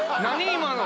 今の。